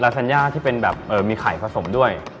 ราสานยาที่เป็นมีไข่ผสมด้วย